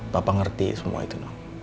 papa ngerti semua itu no